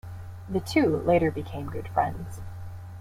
The two later become good friends.